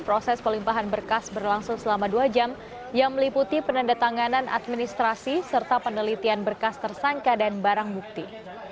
proses pelimpahan berkas berlangsung selama dua jam yang meliputi penandatanganan administrasi serta penelitian berkas tersangka dan barang bukti